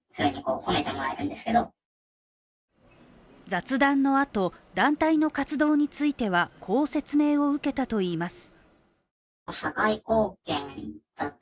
雑談のあと、団体の活動についてはこう説明を受けたといいます。